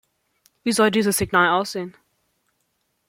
Wie soll dieses Signal aussehen?